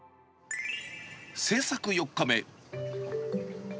制作４日目。